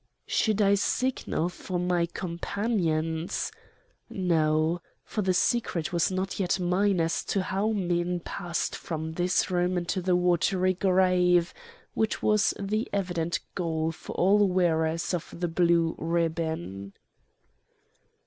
"Should I signal for my companions? No, for the secret was not yet mine as to how men passed from this room into the watery grave which was the evident goal for all wearers of the blue ribbon.